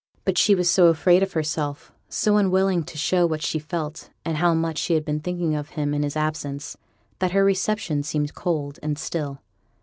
But she was so afraid of herself, so unwilling to show what she felt, and how much she had been thinking of him in his absence, that her reception seemed cold and still.